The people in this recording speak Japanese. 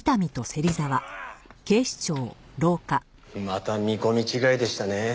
また見込み違いでしたね。